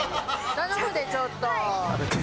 頼むでちょっと。